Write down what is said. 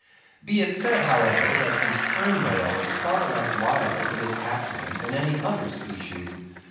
Be it said, however, that the Sperm Whale is far less liable to this accident than any other species.